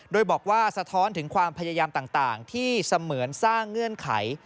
โดยบอกว่าสะท้อนถึงความพยายามต่างที่เสมือนสร้างเงื่อนไข